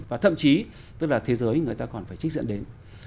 và thậm chí tức là thế giới người ta còn phải trích dẫn đến